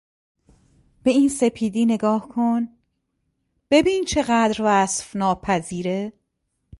به این سپیدی نگاه کن، ببین چقدر وصف ناپذیره!